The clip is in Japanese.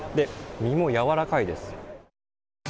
身もやわらかいです。